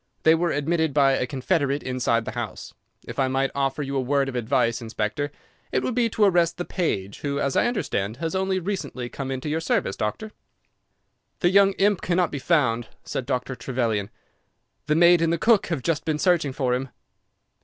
They were admitted by a confederate inside the house. If I might offer you a word of advice, Inspector, it would be to arrest the page, who, as I understand, has only recently come into your service, Doctor." "The young imp cannot be found," said Dr. Trevelyan; "the maid and the cook have just been searching for him."